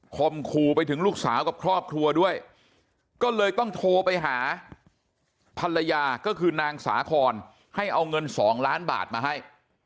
มคูไปถึงลูกสาวกับครอบครัวด้วยก็เลยต้องโทรไปหาภรรยาก็คือนางสาคอนให้เอาเงิน๒ล้านบาทมาให้